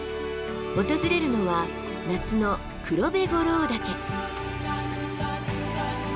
訪れるのは夏の黒部五郎岳。